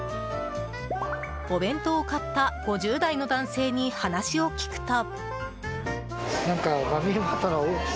お弁当を買った５０代の男性に話を聞くと。